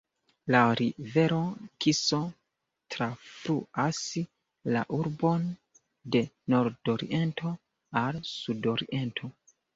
La rivero Kiso trafluas la urbon de nordoriento al sudoriento.